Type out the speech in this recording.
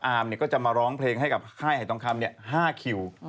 อาร์มเนี่ยก็จะมาร้องเพลงให้กับค่ายไห่ต้องคำเนี่ย๕คิว